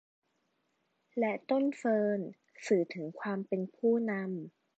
และต้นเฟิร์น สื่อถึงความเป็นผู้นำ